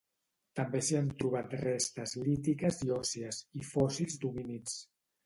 També s'hi han trobat restes lítiques i òssies, i fòssils d'homínids.